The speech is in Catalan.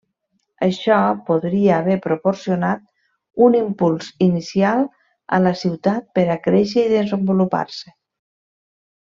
Això podria haver proporcionat un impuls inicial a la ciutat per a créixer i desenvolupar-se.